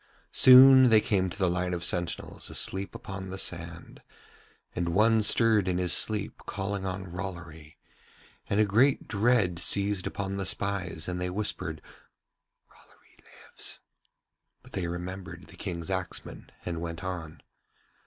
Soon they came to the line of sentinels asleep upon the sand, and one stirred in his sleep calling on Rollory, and a great dread seized upon the spies and they whispered 'Rollory lives,' but they remembered the King's axeman and went on.